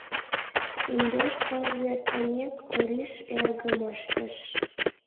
Индеш тылзе эртымек, Ориш эргым ыштыш.